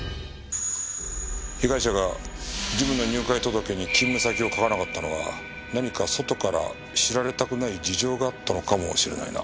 被害者がジムの入会届に勤務先を書かなかったのは何か外から知られたくない事情があったのかもしれないな。